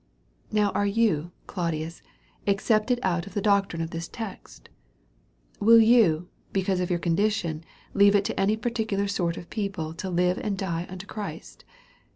Now are you, Claudius^ excepted out of the doctii'ie of this text? Will you^ because of your condition^ leave it to any particular sort of people^ to live and die unto Christ?